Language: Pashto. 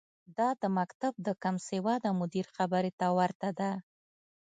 دا د مکتب د کمسواده مدیر خبرې ته ورته ده.